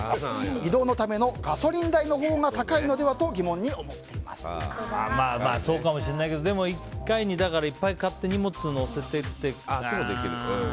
移動のためのガソリン代のほうが高いのではとそうかもしれないけど１回にいっぱい買って荷物を載せてっていうこともできる。